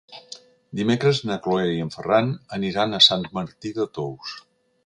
Dimecres na Cloè i en Ferran aniran a Sant Martí de Tous.